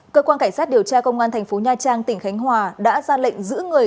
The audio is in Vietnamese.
cơ quan cảnh sát điều tra công an thành phố nha trang tỉnh khánh hòa đã ra lệnh giữ người